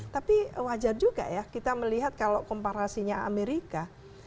tapi wajar juga ya kita melihat kalau komparasinya amerika